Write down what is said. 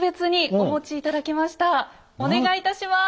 お願いいたします！